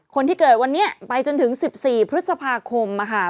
คนที่เกิดวันนี้ไปจนถึง๑๔พฤษภาคมค่ะ